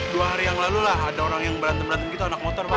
dua hari yang lalu lah ada orang yang berantem berantem gitu anak motor pak